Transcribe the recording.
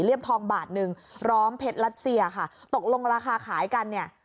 ทองบาทหนึ่งร้อมเพชรรัสเซียค่ะตกลงราคาขายกันเนี่ย